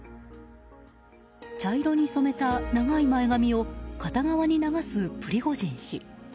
茶色に染めた長い前髪を片側に流すプリゴジン氏。